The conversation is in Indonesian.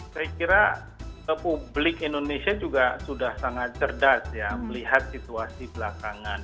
saya kira publik indonesia juga sudah sangat cerdas ya melihat situasi belakangan